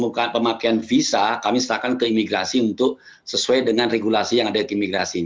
bukan pemakaian visa kami serahkan ke imigrasi untuk sesuai dengan regulasi yang ada di imigrasi